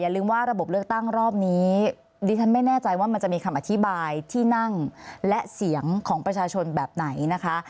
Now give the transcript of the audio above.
ลืมว่าระบบเลือกตั้งรอบนี้ดิฉันไม่แน่ใจว่ามันจะมีคำอธิบายที่นั่งและเสียงของประชาชนแบบไหนนะคะ